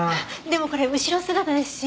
でもこれ後ろ姿ですし。